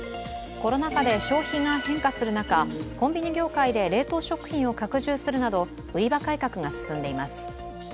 コロナ禍で消費が変化する中、コンビニ業界で冷凍食品を拡充するなど売り場改革が進んでいます。